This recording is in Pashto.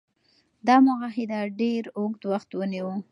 دا معاهده ډیر اوږد وخت ونیو.